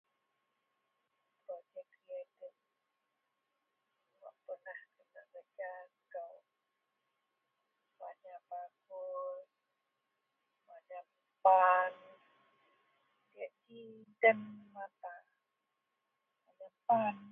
. Projek… [unintelligible] wak penah kenerja kou manyam bakul, manyam pan, diyak ji den mata manyam pan